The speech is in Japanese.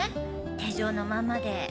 手錠のままで。